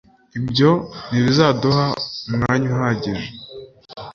ibyo ntibizaduha umwanya uhagije